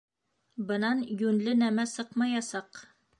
Бынан йүнле нәмә сыҡмаясаҡ!